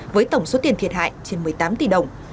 với tổng số tiền thiệt hại trên một mươi tám tỷ đồng